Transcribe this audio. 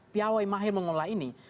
piawai mahir mengelola ini